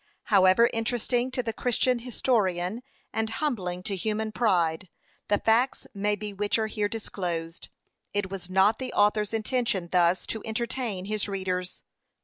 However interesting to the christian historian, and humbling to human pride, the facts may be which are here disclosed; it was not the author's intention thus to entertain his readers.